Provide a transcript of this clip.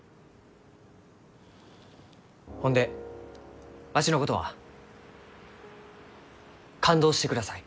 ほんでわしのことは勘当してください。